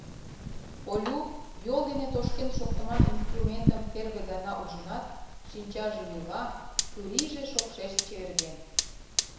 Олю йол дене тошкен шоктыман инструментым первый гана ужынат, шинчаже йӱла, чурийже шокшешт чеверген.